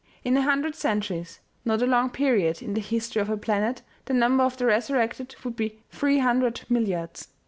In a hundred centuries not a long period in the history of a planet, the number of the resurrected would be three hundred milliards.